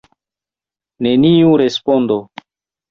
Neniu respondo.